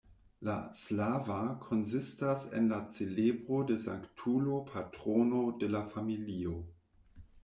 La "slava" konsistas en la celebro de sanktulo patrono de la familio.